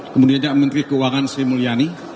kemudiannya menteri keuangan sri mulyani